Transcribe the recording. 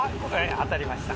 当たりました。